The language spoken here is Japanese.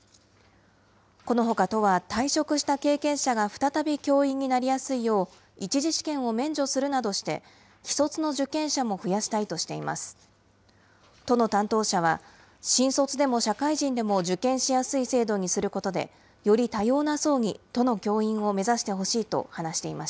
このほか都は、退職した経験者が再び教員になりやすいよう、１次試験を免除するなどして、既卒の受験者も増やしたいとしています。